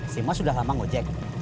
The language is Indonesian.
si mas sudah lama ngejek